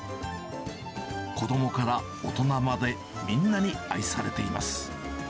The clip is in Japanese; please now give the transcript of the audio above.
子どもから大人まで、みんなに愛されています。